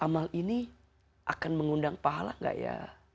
amal ini akan mengundang pahala gak ya